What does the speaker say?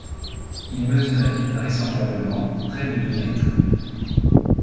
Il mesurait vraisemblablement près de deux mètres.